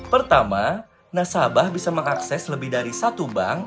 pertama nasabah bisa mengakses lebih dari satu bank